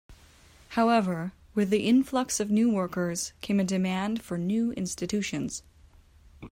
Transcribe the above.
However, with the influx of new workers came a demand for new institutions.